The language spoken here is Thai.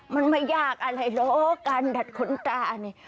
มันไม่ยากอะไรหรอกการดัดขนตานี่